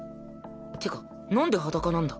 ってかなんで裸なんだ？